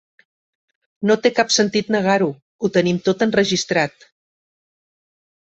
No té cap sentit negar-ho, ho tenim tot enregistrat.